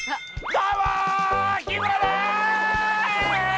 どうも日村でーす！